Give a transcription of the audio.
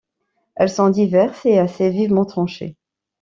Elles sont diverses et assez vivement tranchées.